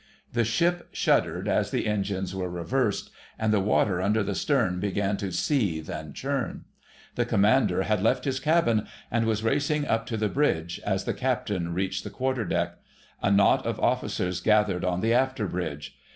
The ship shuddered as the engines were reversed, and the water under the stern began to seethe and churn. The Commander had left his cabin, and was racing up to the bridge, as the Captain reached the quarterdeck. A knot of officers gathered on the after bridge.